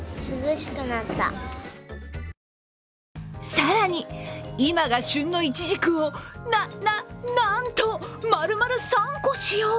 更に今が旬のいちじくをな、な、なんとまるまる３個使用。